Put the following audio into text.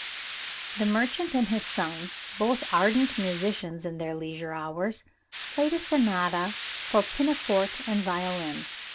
The merchant and his son, both ardent musicians in their leisure hours, played a sonata for pianoforte and violin.